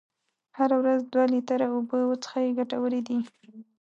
هره ورځ دوه لیتره اوبه وڅښئ ګټورې دي.